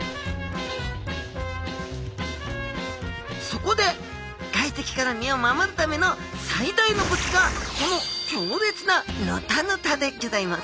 そこで外敵から身を守るための最大の武器がこのきょうれつなヌタヌタでギョざいます